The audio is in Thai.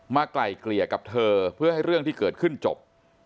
ไกล่เกลี่ยกับเธอเพื่อให้เรื่องที่เกิดขึ้นจบ